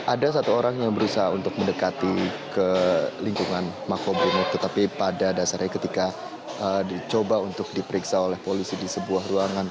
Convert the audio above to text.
ada satu orang yang berusaha untuk mendekati ke lingkungan makobrimo tetapi pada dasarnya ketika dicoba untuk diperiksa oleh polisi di sebuah ruangan